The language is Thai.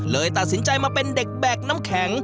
เลยตัดสินใจมาเป็นเด็กแบกน้ำแข็ง